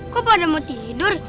kok pada mau tidur